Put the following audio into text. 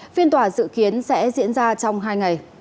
phiên tòa dự kiến sẽ diễn ra trong hai ngày